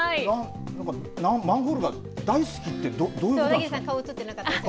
マンホールが大好きってどういうことなんですか。